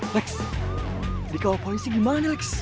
lex di kalau poisi gimana lex